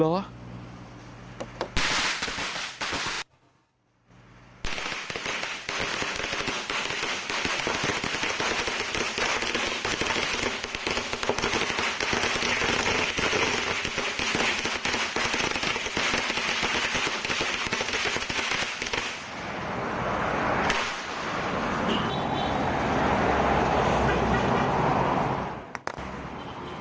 โปรดติดตามตอนต่อไป